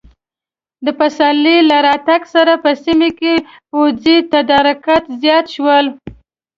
د پسرلي له راتګ سره په سیمه کې پوځي تدارکات زیات شول.